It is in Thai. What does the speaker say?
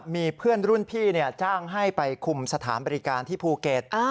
มีเพื่อนรุ่นพี่จ้างให้ไปคุมสถานบริการที่ภูเก็ต